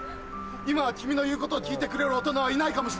今は君の言うことを聞いてくれる大人はいないかもしれない。